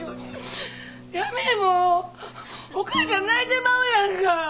やめえもうお母ちゃん泣いてまうやんか。